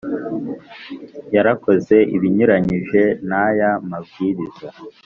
yarakoze ibinyuranyije n aya mabwiriza